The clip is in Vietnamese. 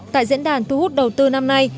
tại diễn đàn thu hút đầu tư năm nay